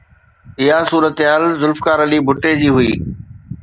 اها صورتحال ذوالفقار علي ڀٽي جي هئي.